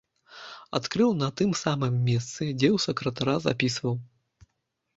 Адкрыў на тым самым месцы, дзе ў сакратара запісваў.